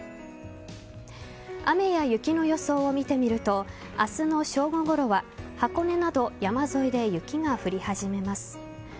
雨や雪の予想を見てみると明日の正午ごろは箱根など山沿いで雪が降り始めます。